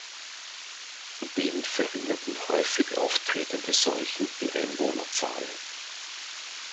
Zudem verringerten häufig auftretende Seuchen die Einwohnerzahl.